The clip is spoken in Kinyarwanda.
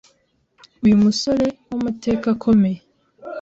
Uyu musore w’amateka akomeye